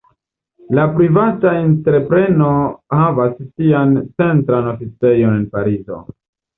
La privata entrepreno havas sian centran oficejon en Parizo.